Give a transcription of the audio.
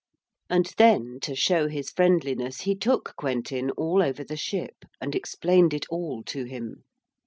] And then to show his friendliness he took Quentin all over the ship, and explained it all to him.